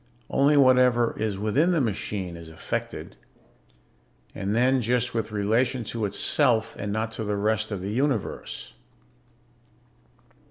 Only whatever is within the machine is affected, and then just with relation to itself and not to the rest of the Universe.